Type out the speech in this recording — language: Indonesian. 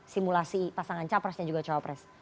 simulasi pasangan capresnya juga cawapres